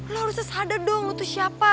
lo harusnya sadar dong lo tuh siapa